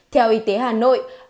theo y tế hà nội